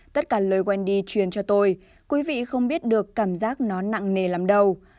tất cả lời wendy truyền cho tôi quý vị không biết được cảm giác nó nặng nề lắm đâu